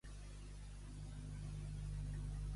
Si la pena fora un sou!